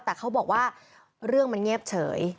แต่เขาบอกว่าเรื่องมันเงียบเฉย